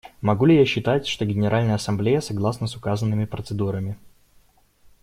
Могу ли я считать, что Генеральная Ассамблея согласна с указанными процедурами?